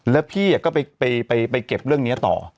แล้วพี่ก็ไปเก็บเรื่องนี้ต่อ